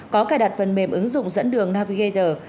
có cài đặt phần mềm ứng dụng dẫn đường navigater